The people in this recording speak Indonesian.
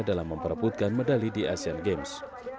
dalam memperebutkan medali di asian games